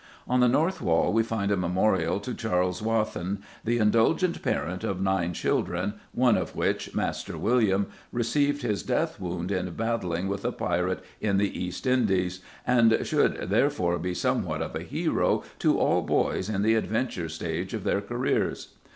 On the north wall we find a memorial to Charles Wathen, "the indulgent parent of nine children," one of which, Master William, "received his death wound in battling with a pirate in the East Indies" and should therefore be somewhat of a hero to all boys in the adventure stage of their careers.